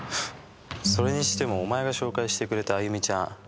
それにしてもお前が紹介してくれたあゆみちゃん